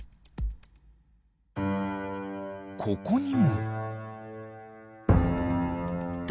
ここにも。